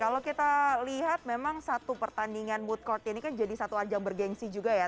kalau kita lihat memang satu pertandingan mood court ini kan jadi satu ajang bergensi juga ya